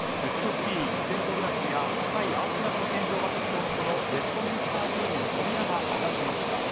美しいステンドグラスや高いアーチ形の天井が特徴のこのウェストミンスター寺院の扉が開きました。